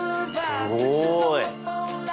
すごい。